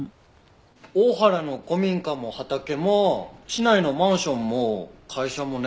大原の古民家も畑も市内のマンションも会社もね